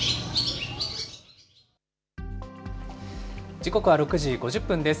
時刻は６時５０分です。